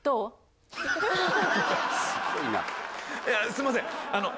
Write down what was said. いやすみません。